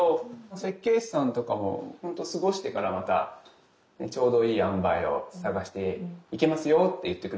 設計士さんとかもほんと「過ごしてからまたちょうどいいあんばいを探していけますよ」って言ってくれたので。